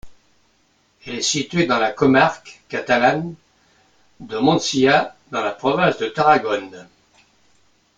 Elle est située dans la comarque catalane de Montsià dans la province de Tarragone.